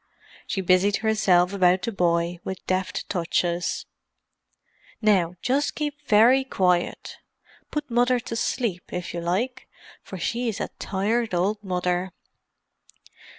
She busied herself about the boy with deft touches. "Now just keep very quiet—put Mother to sleep, if you like, for she's a tired old mother."